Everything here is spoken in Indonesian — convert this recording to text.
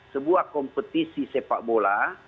sebuah kompetisi sepak bola